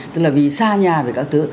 tức là vì xa nhà về các thứ